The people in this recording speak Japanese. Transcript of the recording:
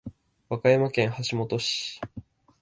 和歌山県橋本市